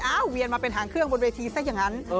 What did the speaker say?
เวียนมาเป็นหางเครื่องบนเวทีซะอย่างนั้น